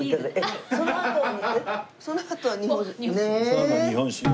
そのあとは日本酒。